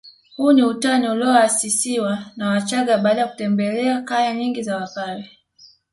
Huu ni utani ulioasisiwa na wachagga baada ya kutembelea kaya nyingi za wapare